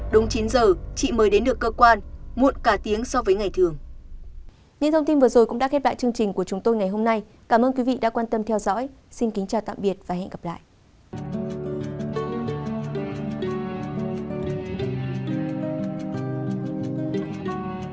đúng chín giờ chị mới đến được cơ quan muộn cả tiếng so với ngày thường